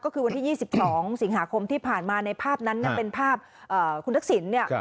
ก็คือวันที่๒๒สิงหาคมที่ผ่านมาในภาพนั้นเป็นภาพคุณทักษิณเนี่ย